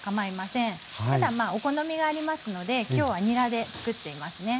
ただまあお好みがありますので今日はにらで作っていますね。